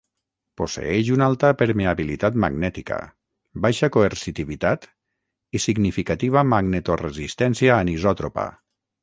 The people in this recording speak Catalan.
Posseeix una alta permeabilitat magnètica, baixa coercitivitat i significativa magnetoresistència anisòtropa.